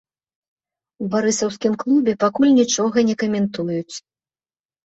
У барысаўскім клубе пакуль нічога не каментуюць.